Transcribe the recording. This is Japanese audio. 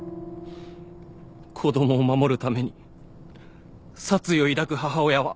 子供を守るために殺意を抱く母親は。